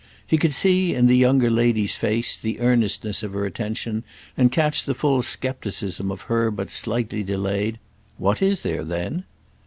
He could see in the younger lady's face the earnestness of her attention and catch the full scepticism of her but slightly delayed "What is there then?"